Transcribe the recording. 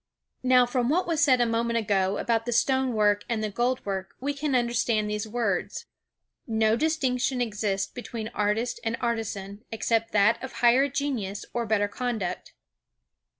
Now from what was said a moment ago about the stone work and the gold work we can understand these words: "No distinction exists between artist and artisan, except that of higher genius or better conduct."